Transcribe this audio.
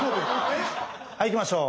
はいいきましょう。